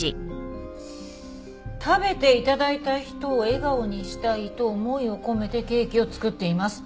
「食べていただいた人を笑顔にしたいと思いを込めてケーキを作っています」